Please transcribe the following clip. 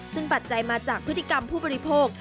ซึ่งปัจจัยมาจากพฤติกรรมผู้บริโภค